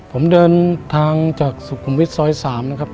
ผมเดินทางจากสุขุมวิทย์ซอย๓นะครับ